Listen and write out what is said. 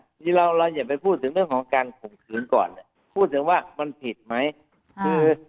ทีนี้เราเราอย่าไปพูดถึงเรื่องของการผงคืนก่อนพูดถึงว่ามันผิดไหมอ่า